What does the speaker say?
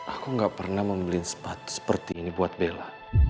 aku gak pernah membeli sepatu seperti ini buat bella